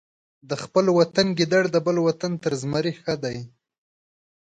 د خپل وطن ګیدړ د بل وطن تر زمري ښه دی.